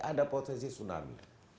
ada potensi tsunami